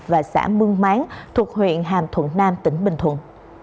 và xã mương máng thuộc huyện hàm thuận nam tỉnh bình thuận